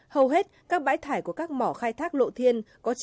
hầu hết các bãi thải của các mỏ khai thác lộ thiên